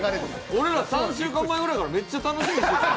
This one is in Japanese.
俺ら３週間ぐらい前から、めっちゃ楽しみにしてたよ。